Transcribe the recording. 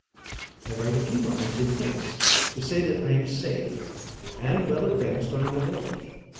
I write a few lines in haste, to say that I am safe, and well advanced on my voyage.